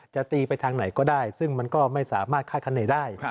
จะตีไปทางไหนก็ได้ซึ่งมันก็ไม่สามารถคาดคันไหนได้